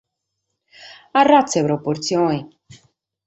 Arratza de proportzione.